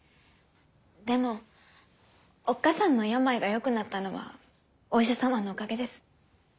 でもおっ母さんの病がよくなったのはお医者様のおかげです。